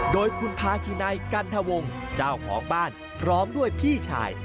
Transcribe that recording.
โดยคุณพาคินัยกันทวงเจ้าของบ้านพร้อมด้วยพี่ชาย